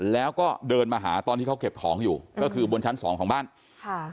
แล้วก็เดินมาหาตอนที่เขาเก็บของอยู่ก็คือบนชั้นสองของบ้านค่ะ